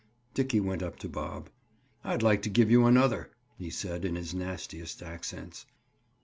Dickie went up to Bob. "I'd like to give you another," he said in his nastiest accents.